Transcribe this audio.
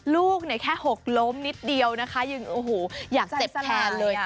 ลูกเนี่ยแค่หกล้มนิดเดียวนะคะยังโอ้โหอยากเจ็บแทนเลย